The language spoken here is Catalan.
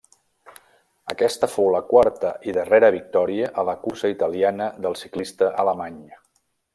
Aquesta fou la quarta i darrera victòria a la cursa italiana del ciclista alemany.